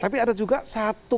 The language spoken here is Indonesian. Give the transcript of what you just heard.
tapi ada juga satu